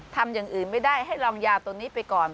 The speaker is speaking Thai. ทำอย่างอื่นไม่ได้ให้ลองยาตัวนี้ไปก่อน